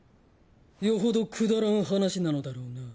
よほどくだらん話なのだろうな。